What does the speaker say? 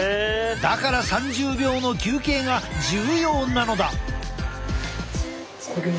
だから３０秒の休憩が重要なのだ。